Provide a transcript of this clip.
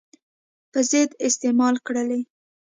په ضد استعمال کړلې.